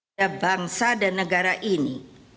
pada bangsa dan negara ini